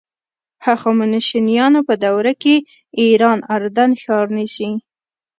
هخامنشیانو په دوره کې ایران اردن ښار نیسي.